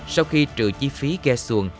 sau khi trừ chi phí ghe xuồng